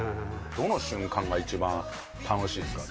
どの瞬間が一番楽しいですか？